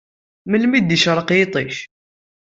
Melmi d-icerreq yiṭij?